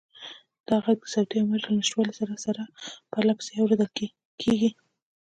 دا غږ د صوتي امواجو له نشتوالي سره سره پرله پسې اورېدل کېږي.